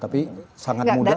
tapi sangat mudah